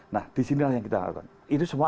nah disinilah yang kita harapkan itu semua